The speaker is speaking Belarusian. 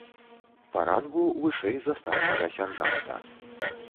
Па рангу вышэй за старшага сяржанта.